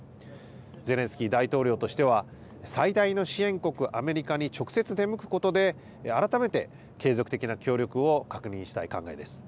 ゼレンスキー大統領としては、最大の支援国アメリカに直接出向くことで、改めて継続的な協力を確認したい考えです。